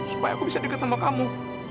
supaya aku bisa dekat sama kamu